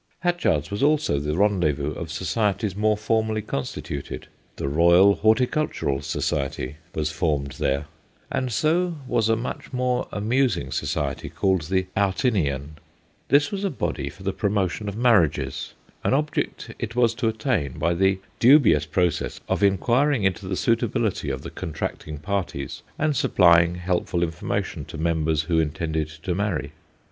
Hatchard's was also the rendezvous of societies more formally constituted. ' The Royal Horticultural Society ' was formed 260 THE GHOSTS OF PICCADILLY there, and so was a much more amusing society called the ' Outinian/ This was a body for the promotion of marriages, an object it was to attain by the dubious process of inquiring into the suitability of the contracting parties and supplying helpful information to members who intended to marry.